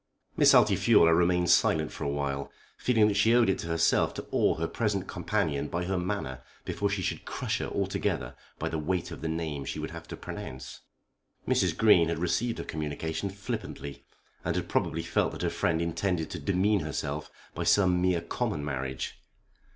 Miss Altifiorla remained silent for a while, feeling that she owed it to herself to awe her present companion by her manner before she should crush her altogether by the weight of the name she would have to pronounce. Mrs. Green had received her communication flippantly, and had probably felt that her friend intended to demean herself by some mere common marriage.